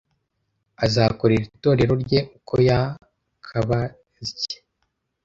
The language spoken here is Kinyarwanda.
azakorera itorero rye uko yakabazye